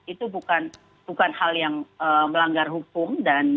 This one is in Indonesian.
itu bukan hal yang melanggar hukum